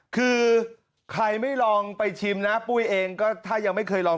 คือใครไม่ลองไปชิมนะปุ้ยเองก็ถ้ายังไม่เคยลอง